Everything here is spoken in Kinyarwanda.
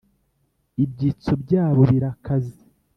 ibyitso byabo birakaze.